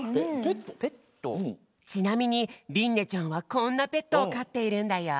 ちなみにりんねちゃんはこんなペットをかっているんだよ。